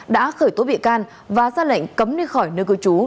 đã khởi tố bị can và ra lệnh cấm đi khỏi nơi cư trú